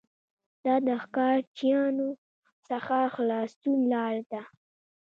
دا د ښکارچیانو څخه د خلاصون لاره ده